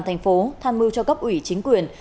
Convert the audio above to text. thành phố than mưu cho cấp ủy chính quyền